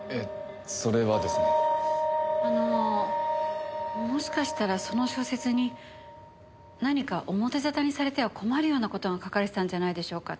あのもしかしたらその小説に何か表沙汰にされては困るような事が書かれてたんじゃないでしょうか。